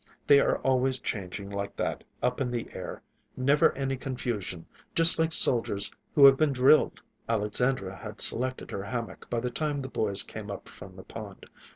They are always changing like that, up in the air. Never any confusion; just like soldiers who have been drilled." Alexandra had selected her hammock by the time the boys came up from the pond.